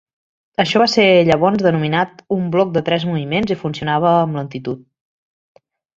Això va ser llavors denominat un "bloc de tres moviments" i funcionava amb lentitud.